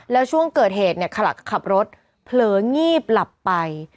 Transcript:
แล้วช่วงเกิดเหตุเนี่ยขับรถเผลองีบหลับไป